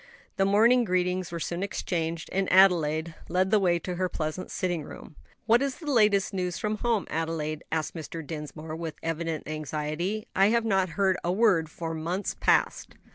The morning greetings were soon exchanged, and Adelaide led the way to her pleasant sitting room. "What is the latest news from home, Adelaide?" asked Mr. Dinsmore, with evident anxiety. "I have not heard a word for months past."